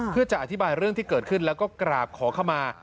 เพื่อจะอธิบายเรื่องที่เกิดขึ้นแล้วก็กราบขอเข้ามา